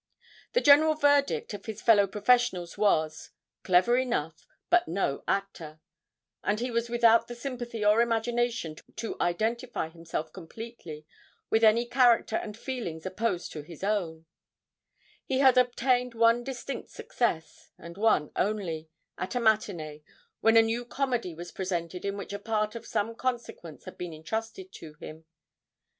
The general verdict of his fellow professionals was, 'Clever enough, but no actor,' and he was without the sympathy or imagination to identify himself completely with any character and feelings opposed to his own; he had obtained one distinct success, and one only at a matinée, when a new comedy was presented in which a part of some consequence had been entrusted to him.